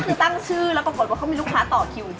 คือตั้งชื่อแล้วปรากฏว่าเขามีลูกค้าต่อคิว